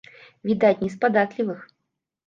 Відаць, не з падатлівых.